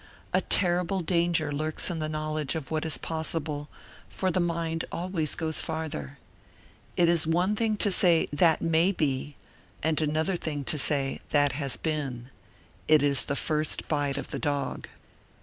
A terrible danger lurks in the knowledge of what is possible, for the mind always goes farther. It is one thing to say: "That may be" and another thing to say: "That has been;" it is the first bite of the dog.